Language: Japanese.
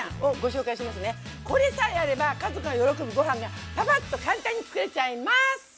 これさえあれば家族が喜ぶご飯がパパッと簡単に作れちゃいまっす！